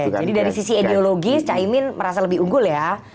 oke jadi dari sisi ideologis caimin merasa lebih unggul ya